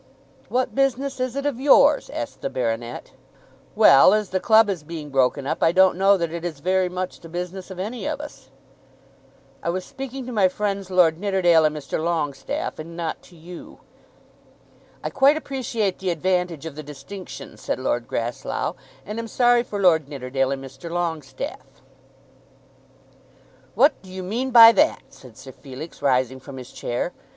"What business is it of yours?" asked the baronet. "Well; as the club is being broken up, I don't know that it is very much the business of any of us." "I was speaking to my friends, Lord Nidderdale and Mr. Longestaffe, and not to you." "I quite appreciate the advantage of the distinction," said Lord Grasslough, "and am sorry for Lord Nidderdale and Mr. Longestaffe." "What do you mean by that?" said Sir Felix, rising from his chair.